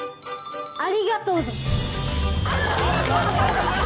ありがとうぞ。